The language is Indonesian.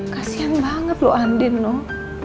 kasian banget loh andin nol